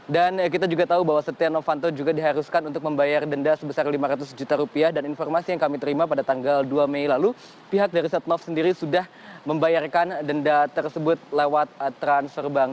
dan kita juga tahu bahwa setia novanto juga diharuskan untuk membayar denda sebesar lima ratus juta rupiah dan informasi yang kami terima pada tanggal dua mei lalu pihak dari setnov sendiri sudah membayarkan denda tersebut lewat transfer bank